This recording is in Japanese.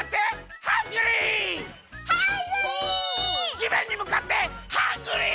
じめんにむかってハングリー！